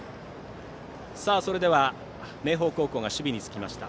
それでは、明豊高校が守備につきました。